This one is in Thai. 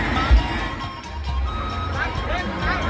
มาแล้วครับพี่น้อง